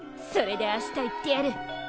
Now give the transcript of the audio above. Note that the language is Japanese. それであした言ってやる！